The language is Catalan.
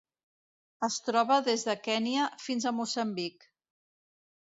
Es troba des de Kenya fins a Moçambic.